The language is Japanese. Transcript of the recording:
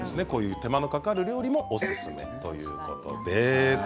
手間のかかる料理がおすすめということです。